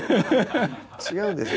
違うんですよ